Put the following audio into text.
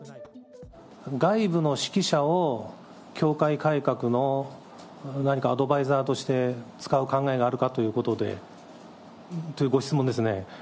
外部の識者を教会改革の何かアドバイザーとして使う考えがあるかというご質問ですね。